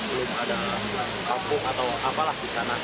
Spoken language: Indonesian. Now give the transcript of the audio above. belum ada kampung atau apalah di sana